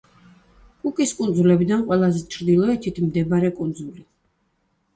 კუკის კუნძულებიდან ყველაზე ჩრდილოეთით მდებარე კუნძული.